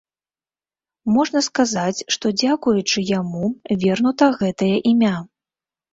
Можна сказаць, што дзякуючы яму вернута гэтае імя.